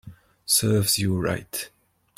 Serves you right